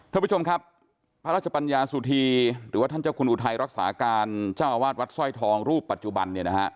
ท่านผู้ชมครับพระราชปัญญาสุธีหรือว่าท่านเจ้าคุณอุทัยรักษาการเจ้าอาวาสวัดสร้อยทองรูปปัจจุบันเนี่ยนะฮะ